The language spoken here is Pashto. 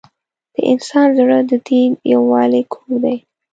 د انسان زړه د دې یووالي کور دی.